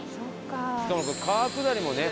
しかもこれ川下りもね